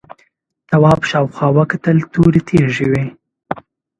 تواب شاوخوا وکتل تورې تیږې وې.